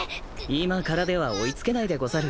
今からでは追い付けないでござる。